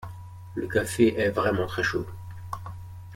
Le café est vraiment très chaud.